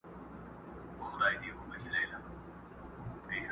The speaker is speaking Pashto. د سینې پر باغ دي راسي د سړو اوبو رودونه؛؛!